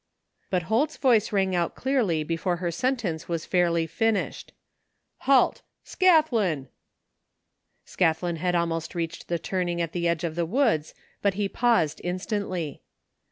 '' But Holt's voice rang, out clearly before her sen tence was fairly finished : "Halt! Scathlin!" Scathlin had almost reached the tiuning at the edge of the woods, but he paused instantly.